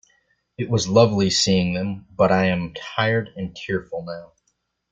It was lovely seeing them, but I am tired and tearful now.